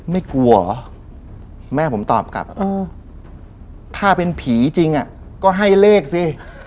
ไม่กลัวเหรอแม่ผมตอบกลับถ้าเป็นผีจริงก็ให้เลขสิ